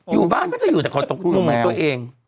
อยู่บ้านก็จะอยู่แต่ขอตกมุมของตัวเอง